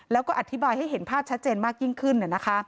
แล้วก็อธิบายให้เห็นภาพชัดเจนมากยิ่งขึ้น